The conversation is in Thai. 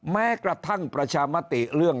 แม้กระทั่งประชามติเรื่อง